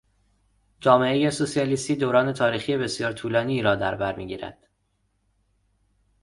جامعهٔ سوسیالیستی دوران تاریخی بسیار طولانی را در بر میگیرد.